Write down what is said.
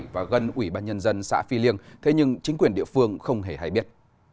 và gần ủy ban nhân dân xã phi liêng thế nhưng chính quyền địa phương không hề hay biết